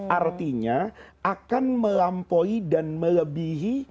artinya akan melampaui dan melebihi